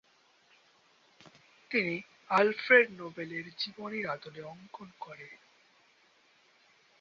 তিনি আলফ্রেড নোবেলের জীবনীর আদলে অঙ্কন করে।